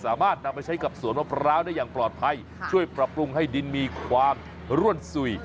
สามารถนำไปใช้กับสวนมะพร้าวได้อย่างปลอดภัยช่วยปรับปรุงให้ดินมีความร่วนสุย